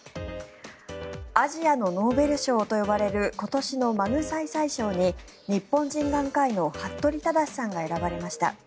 アジアのノーベル賞と呼ばれる今年のマグサイサイ賞に日本人眼科医の服部匡志さんが選ばれました。